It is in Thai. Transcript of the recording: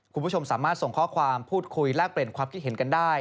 คุณผู้ชมสามารถส่งข้อความพูดคุยแลกเปลี่ยนความคิดเห็นกันได้